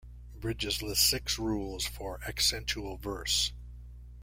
Bridges lists six "rules" for accentual verse.